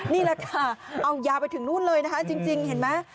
นี่แหละค่ะเอายาวไปถึงนู่นเลยนะคะจริงเห็นไหม